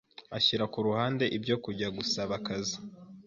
ashyira ku ruhande ibyo kujya gusaba akazi,